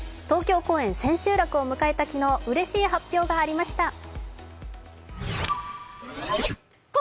東京公演千秋楽を迎えた昨日、うれしい発表がありました。